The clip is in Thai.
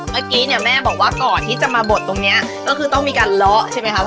เมื่อกี้เนี่ยแม่บอกว่าก่อนที่จะมาบดตรงนี้ก็คือต้องมีการเลาะใช่ไหมครับ